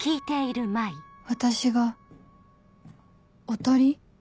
私がおとり？